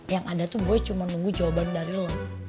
yang ada tuh gue cuma nunggu jawaban dari lo